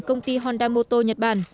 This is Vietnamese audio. công ty honda motor nhật bản